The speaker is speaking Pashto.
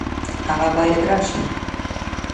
هغه باید راشي